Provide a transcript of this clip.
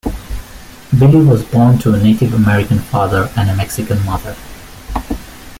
Billy was born to a Native American father and a Mexican mother.